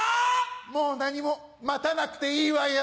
もう何も待たなくていいわよ。